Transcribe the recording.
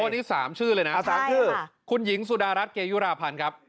นี่๓ชื่อเลยนะ๓ชื่อคุณหญิงสุดารัฐเกยุราพันธ์ครับ